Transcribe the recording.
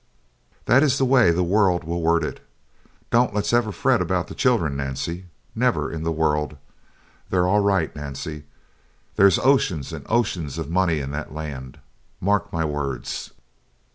That is the way the world will word it! Don't let's ever fret about the children, Nancy never in the world. They're all right. Nancy, there's oceans and oceans of money in that land mark my words!"